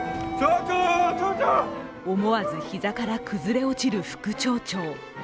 思わず膝から崩れ落ちる副町長。